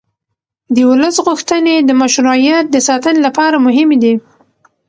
د ولس غوښتنې د مشروعیت د ساتنې لپاره مهمې دي